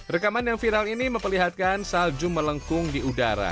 rekaman yang viral ini memperlihatkan salju melengkung di udara